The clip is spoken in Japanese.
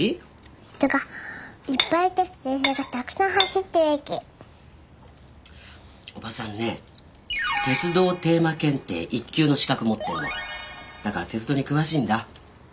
人がいっぱいいて電車がたくさん走ってる駅おはさんね鉄道テーマ検定１級の資格持ってんのだから鉄道に詳しいんだ